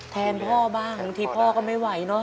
แทนพ่อบ้างบางทีพ่อก็ไม่ไหวเนอะ